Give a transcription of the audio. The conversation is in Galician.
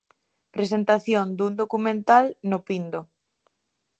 Presentación dun documental no Pindo.